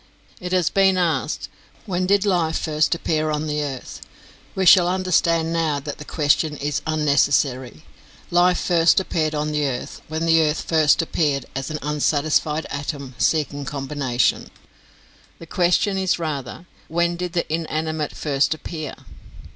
It has been asked, when did life first appear on the earth? We shall understand now that the question is unnecessary. Life first appeared on the earth when the earth first appeared as an unsatisfied atom seeking combination. The question is rather, when did the inanimate first appear?